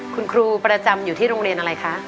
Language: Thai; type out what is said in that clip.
คุณครูประจำอยู่ที่โรงเรียนอะไรคะ